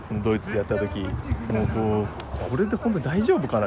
もう「これで本当に大丈夫かな？」